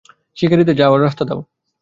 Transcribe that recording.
শিকারীদের যাওয়ার রাস্তা দাও।